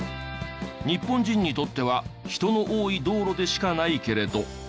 日本人にとっては人の多い道路でしかないけれど。